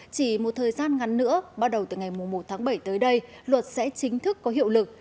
chỉ một thời gian ngắn nữa bắt đầu từ ngày một tháng bảy tới đây luật sẽ chính thức có hiệu lực